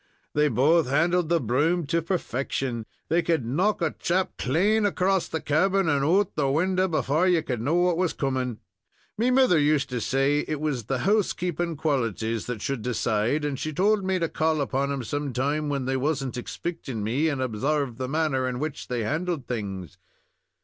They both handled the broom to perfection; they could knock a chap clane across the cabin and out of the window before ye could know what was coming. Me mither used to say it was the housekeeping qualities that should decide, and she told me to call upon 'em sometime when they was n't expecting me, and obsarve the manner in which they handled things.